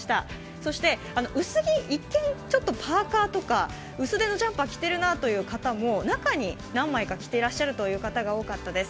そして、薄着、一見パーカとか薄手のジャンパーを着ている方も中に何枚か着てらっしゃる方が多かったです。